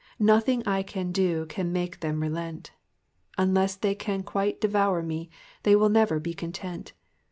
Nothing I can do can make them relent. Unless they can quite devour me they will never be content.